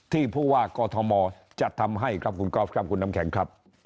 ผู้ว่ากอทมจะทำให้ครับคุณกอล์ฟครับคุณน้ำแข็งครับ